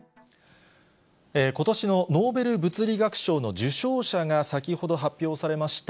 ことしのノーベル物理学賞の受賞者が先ほど発表されました。